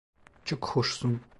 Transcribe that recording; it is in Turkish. Çok hoşsun.